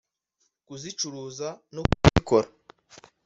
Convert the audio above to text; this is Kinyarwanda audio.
kuzicuruza no kuzikora